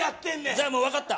じゃあもう分かった。